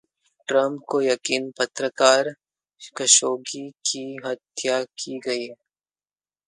Trump को यकीन, पत्रकार खशोगी की हत्या की गई